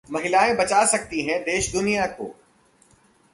महिलाएं बचा सकती हैं देश-दुनिया को